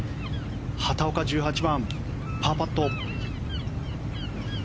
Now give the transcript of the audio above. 畑岡１８番、パーパット。